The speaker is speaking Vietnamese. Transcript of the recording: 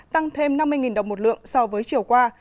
tăng thêm năm mươi đồng một lượng so với chiều qua